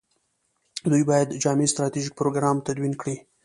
دوی باید جامع ستراتیژیک پروګرام تدوین کړي.